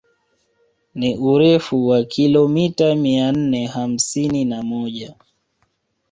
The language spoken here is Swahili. Ni urefu wa kilomita mia nne hamsini na moja